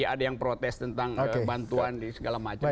ada yang protes tentang bantuan di segala macam